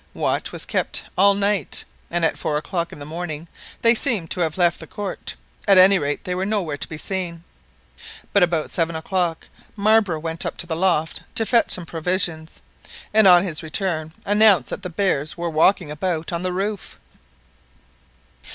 Watch was kept all night, and at four o'clock in the morning they seemed to have left the court at any rate, they were nowhere to be seen. But about seven o'clock Marbre went up to the loft to fetch some provisions, and on his return announced that the bears were walking about on the roof.